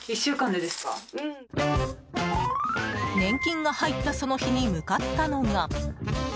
年金が入ったその日に、向かったのが。